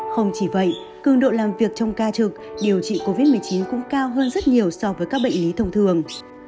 không chỉ vậy cường độ làm việc trong ca trực điều trị covid một mươi chín cũng cao hơn rất nhiều so với các bệnh lý thông thường